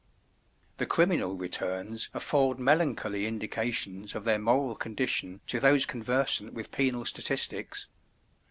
The criminal returns afford melancholy indications of their moral condition to those conversant with penal statistics.